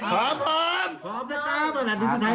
ขอบคุณพี่ไทยที่ขอบคุณพี่ไทย